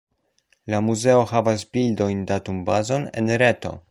La muzeo havas bildojn-datumbazon en reto.